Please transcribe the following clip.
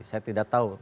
saya tidak tahu